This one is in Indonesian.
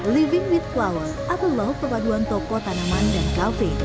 living with flower atau law pepaduan toko tanaman dan cafe